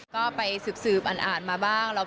ก็ไปสืบอ่านมาบ้างโาครับ